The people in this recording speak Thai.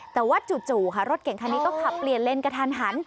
แต่ว่าจู่ค่ะรถเก่งคันนี้ก็ขับเปลี่ยนเลนกระทันหัน